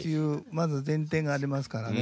まず前提がありますからね。